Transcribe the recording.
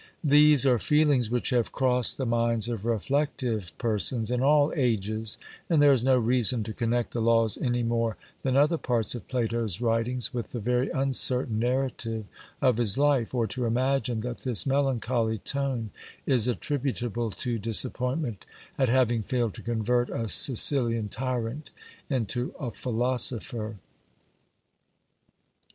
These are feelings which have crossed the minds of reflective persons in all ages, and there is no reason to connect the Laws any more than other parts of Plato's writings with the very uncertain narrative of his life, or to imagine that this melancholy tone is attributable to disappointment at having failed to convert a Sicilian tyrant into a philosopher.